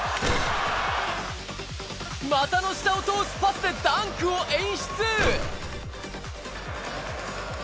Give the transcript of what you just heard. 股の下を通すパスでダンクを演出。